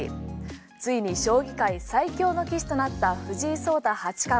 ついに将棋界最強の棋士となった藤井聡太八冠。